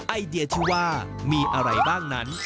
ไอเดียที่ว่ามีอะไรบ้างนั้น